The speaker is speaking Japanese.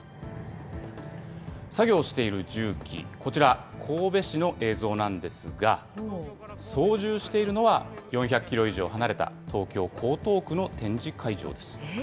作業している重機、こちら、神戸市の映像なんですが、操縦しているのは、４００キロ以上離れた東京・江東区の展示会場です。